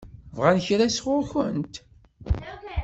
Bɣan kra sɣur-kent?